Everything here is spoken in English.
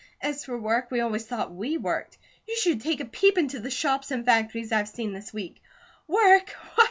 As for work, we always thought we worked. You should take a peep into the shops and factories I've seen this week. Work?